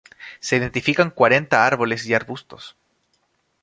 Se identifican cuarenta árboles y arbustos.